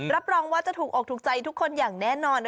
รับรองว่าจะถูกอกถูกใจทุกคนอย่างแน่นอน